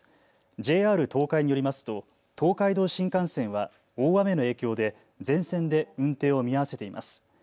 ＪＲ東海によりますと東海道新幹線は大雨の影響で全線で運転を見合わせています。